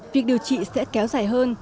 việc điều trị sẽ kéo dài hơn